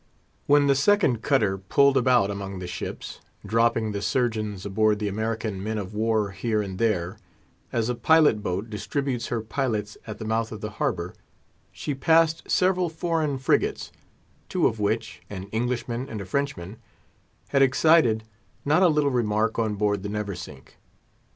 When the second cutter pulled about among the ships, dropping the surgeons aboard the American men of war here and there—as a pilot boat distributes her pilots at the mouth of the harbour—she passed several foreign frigates, two of which, an Englishman and a Frenchman, had excited not a little remark on board the Neversink.